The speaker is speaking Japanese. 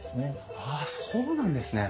ああそうなんですね！